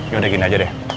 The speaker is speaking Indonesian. yaudah gini aja deh